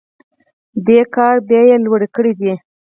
دې کار بیې لوړې کړي دي.